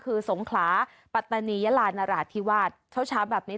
คือศงขลาปัฏนียาลาณราฯที่วาดเท้าช้าแบบนี้